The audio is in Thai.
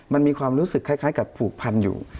มันมีความรู้สึกคล้ายกับผูกพันอยู่